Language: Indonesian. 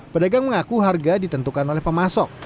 pedagang mengaku harga ditentukan oleh pemasok